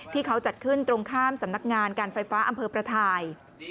ที่เขาจัดขึ้นตรงข้ามสำนักงานการไฟฟ้าอำเภอประทาย